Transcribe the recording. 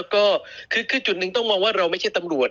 ก็คือจุดหนึ่งต้องมองว่าเราไม่ใช่ตำรวจ